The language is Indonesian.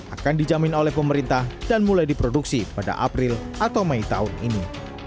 akan dijamin oleh pemerintah dan mulai diproduksi pada april atau mei tahun ini